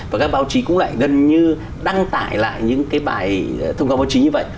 và các báo chí cũng lại gần như đăng tải lại những cái bài thông cáo báo chí như vậy